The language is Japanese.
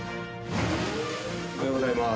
おはようございます。